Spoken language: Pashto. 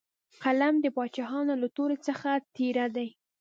قلم د باچاهانو له تورې څخه تېره دی.